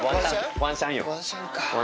ワンシャンか。